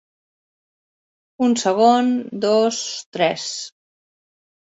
Un segon, dos, tres.